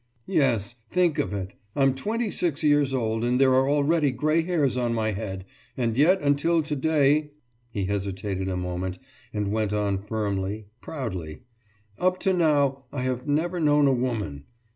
»Yes ... think of it ... I'm 26 years old and there are already grey hairs on my head, and yet until today ...« he hesitated a moment and went on firmly, proudly. »Up to now I have never known a woman....